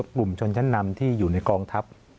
กลุ่มชนชั้นนำที่อยู่ในกองทัพ